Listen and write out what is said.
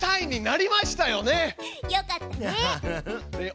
よかったね。